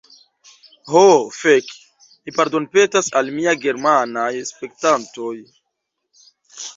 Ho fek'... mi pardonpetas al mia germanaj spektantoj!